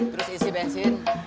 terus isi bensin